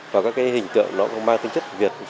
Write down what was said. và các cái hình tượng nó cũng mang tính chất việt